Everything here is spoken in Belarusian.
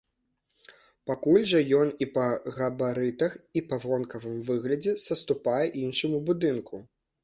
Пакуль жа ён і па габарытах, і па вонкавым выглядзе саступае іншаму будынку.